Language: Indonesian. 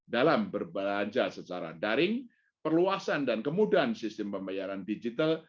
dalam berbelanja secara daring perluasan dan kemudahan sistem pembayaran digital